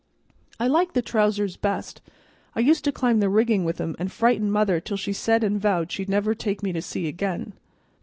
I liked the trousers best; I used to climb the riggin' with 'em and frighten mother till she said an' vowed she'd never take me to sea again."